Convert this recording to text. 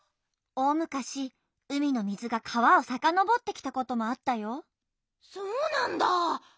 おおむかしうみのみずが川をさかのぼってきたこともあったよ。そうなんだ。